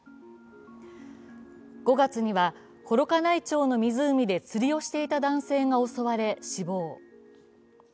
５月には、幌加内町の湖で釣りをしていた男性が襲われ、死亡。